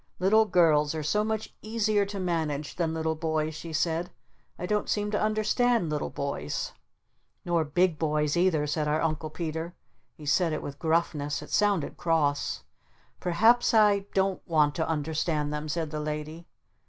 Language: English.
"Little girls are so much easier to manage than little boys," she said. "I don't seem to understand little boys." "Nor big boys either!" said our Uncle Peter. He said it with gruffness. It sounded cross. "Perhaps I don't want to understand them," said the Lady.